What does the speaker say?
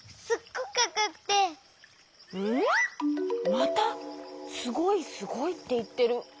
また「すごいすごい」っていってる。